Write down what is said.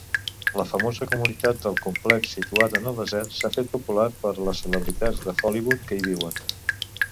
La famosa comunitat del complex situat en el desert s'ha fet popular per les celebritats de Hollywood que hi viuen.